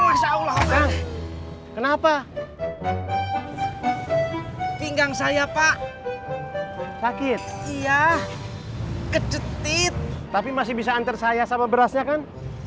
masya allah kenapa pinggang saya pak sakit iya keceti tapi masih bisa antar saya sama berasnya kan